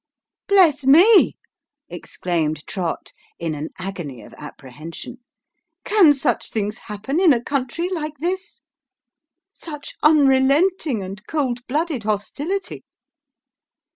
" Bless me !" exclaimed Trott, in an agony of apprehension, " can such things happen in a country like this ? Such unrelenting and cold blooded hostility